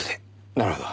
なるほど。